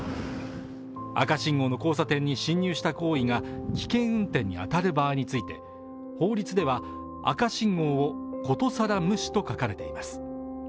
赤信号の交差点に進入した行為が危険運転に当たる場合について、法律では、「赤信号を殊更無視」と書かれています。